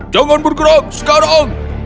jangan bergerak sekarang